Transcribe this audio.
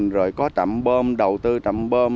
rồi có trạm bơm đầu tư trạm bơm